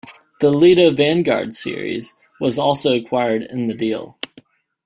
The Lledo Vanguards series was also acquired in the deal.